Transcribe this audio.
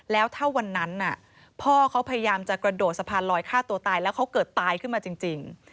แล้วถ้าวันนั้นพ่อเขาพยายามจะกระโดดสะพานลอยฆ่าตัวตายแล้วเขาเกิดตายขึ้นมาจริง